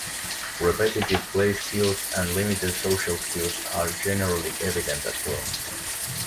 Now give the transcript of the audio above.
Repetitive play skills and limited social skills are generally evident as well.